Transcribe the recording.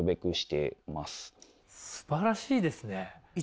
すばらしいですね！